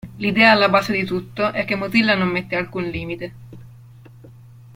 L'idea alla base di tutto è che Mozilla non mette alcun limite.